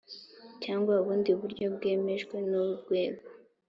cyangwa ubundi buryo bwemejwe n Urwego